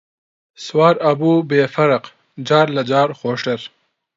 سوار ئەبوو بێ فەرق، جار لە جار خۆشتر